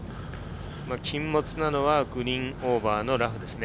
禁物なのはグリーンオーバーのラフですね。